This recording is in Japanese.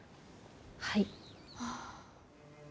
はい。